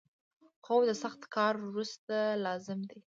خوب د سخت کار وروسته لازم دی